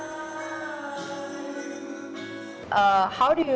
bagaimana anda menemukan orang ini